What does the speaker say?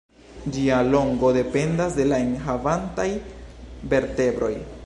Ĝia longo dependas de la enhavantaj vertebroj.